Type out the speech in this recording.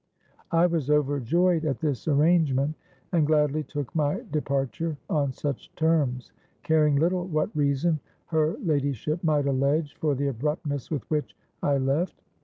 '—I was overjoyed at this arrangement, and gladly took my departure on such terms, caring little what reason her ladyship might allege for the abruptness with which I left.